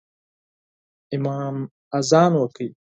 امام اذان وکړ